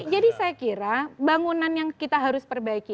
jadi saya kira bangunan yang kita harus perbaiki